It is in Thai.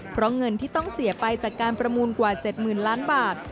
เพราะเงินที่ต้องเสียไปจากการประมูลกว่า๗๐๐ล้านบาท